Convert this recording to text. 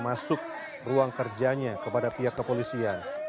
masuk ruang kerjanya kepada pihak kepolisian